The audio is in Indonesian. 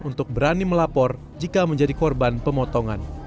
untuk berani melapor jika menjadi korban pemotongan